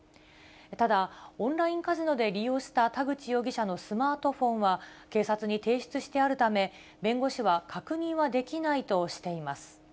ただ、オンラインカジノで利用した田口容疑者のスマートフォンは、警察に提出してあるため、弁護士は確認はできないとしています。